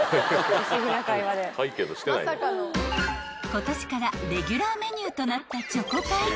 ［今年からレギュラーメニューとなったチョコパイ］